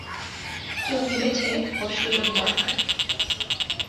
কেউ ভেবেছে ওর সুযোগ দরকার।